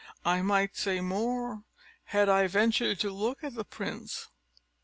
I might say more, had I ventured to look at the prince."